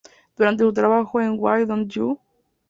Durante su trabajo en "Why Don't You?